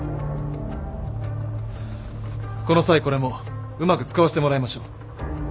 この際これもうまく使わせてもらいましょう。